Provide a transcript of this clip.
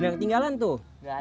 jangan ketinggalan tuh